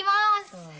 どうぞ。